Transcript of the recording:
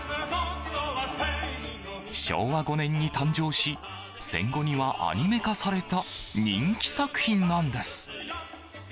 昭和５年に誕生し戦後には、アニメ化された人気作品なんです。